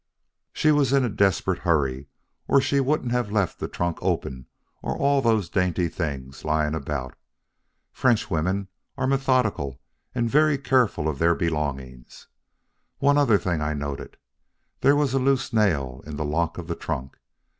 "She was in a desperate hurry, or she wouldn't have left the trunk open or all those dainty things lying about. Frenchwomen are methodical and very careful of their belongings. One other thing I noted. There was a loose nail in the lock of the trunk.